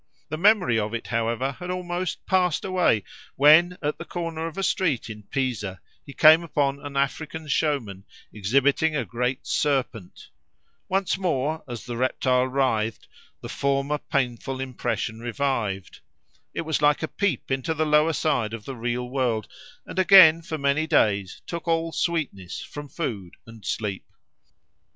The memory of it however had almost passed away, when at the corner of a street in Pisa, he came upon an African showman exhibiting a great serpent: once more, as the reptile writhed, the former painful impression revived: it was like a peep into the lower side of the real world, and again for many days took all sweetness from food and sleep.